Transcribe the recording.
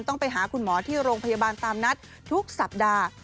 ต้องไปหาคุณหมอที่โรงพยาบาลตามนัดทุกสัปดาห์